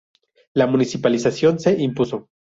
La municipalización se impuso.